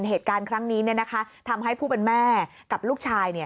เหตุการณ์ครั้งนี้ทำให้ผู้เป็นแม่กับลูกชาย